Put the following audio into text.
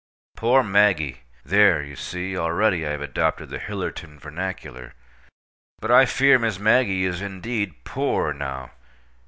Poor Maggie! (There! you see already I have adopted the Hillerton vernacular.) But I fear Miss Maggie is indeed "poor" now.